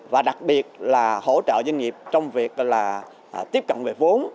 và đặc biệt là hỗ trợ doanh nghiệp trong việc là tiếp cận về vốn